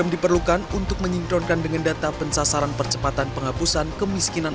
diperlukan untuk menyinkronkan dengan data pensasaran percepatan penghapusan kemiskinan